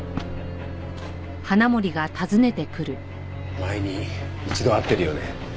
前に一度会ってるよね？